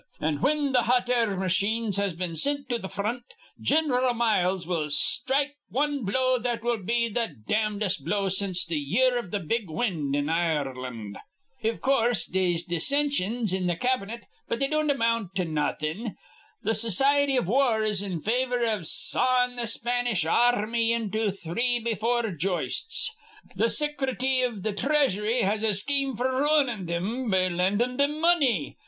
An', whin th' hot air masheens has been sint to th' front, Gin'ral Miles will strike wan blow that'll be th' damdest blow since th' year iv th' big wind in Ireland. "Iv coorse, they'se dissinsions in th' cabinet; but they don't amount to nawthin'. Th' Sicrety iv War is in favor iv sawin' th' Spanish ar rmy into two be four joists. Th' Sicrety iv th' Three asury has a scheme f'r roonin' thim be lindin' thim money.